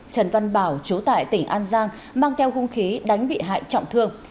trần văn bảo chú tại tỉnh an giang mang theo hung khí đánh bị hại trọng thương